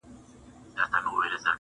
• نه یې هیله د آزادو الوتلو -